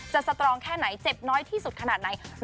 สตรองแค่ไหนเจ็บน้อยที่สุดขนาดไหน